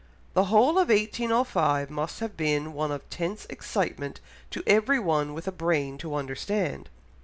The whole of 1805 must have been one of tense excitement to everyone with a brain to understand.